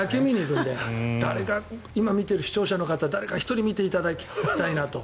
韓国戦、野球見に行くので今、見てる視聴者の方誰か１人見ていただきたいなと。